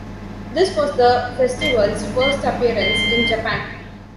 This was the festival's first appearance in Japan.